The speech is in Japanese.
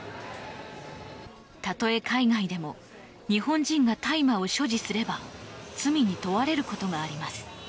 たとえ、海外でも日本人が大麻を所持をすれば罪に問われることがあります。